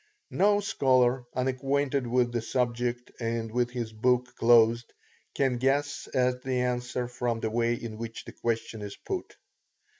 No scholar, unacquainted with the subject, and with his book closed, can guess at the answer from the way in which the question is put.